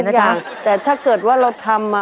ยุ่งทุกอย่างแต่ถ้าเกิดว่าเราทำอ่ะ